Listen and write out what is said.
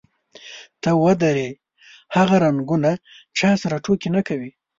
ته ودرې، هغه رنګونه چا سره ټوکې نه کوي.